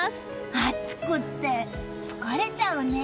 暑くて、疲れちゃうね。